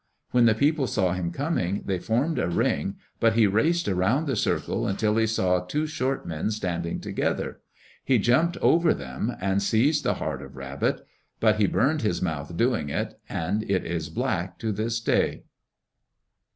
When the people saw him coming, they formed a ring, but he raced around the circle until he saw two short men standing together. He jumped over them, and seized the heart of Rabbit. But he burned his mouth doing it, and it is black to this day.